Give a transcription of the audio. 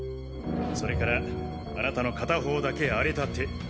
それからあなたの片方だけ荒れた手。